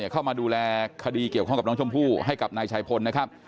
เข้ามาดูแลคดีเกี่ยวข้องกับน้องชมพู่ให้กับนายชายพลนะครับ